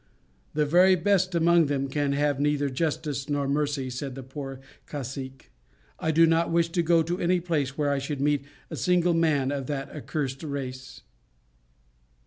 "The very best among them can have neither justice nor mercy!" said the poor cacique, "I do not wish to go to any place where I should meet a single man of that accursed race."